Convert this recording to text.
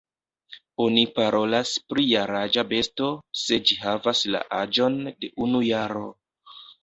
Oni parolas pri jaraĝa besto, se ĝi havas la aĝon de unu jaro.